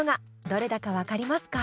どれだか分かりますか？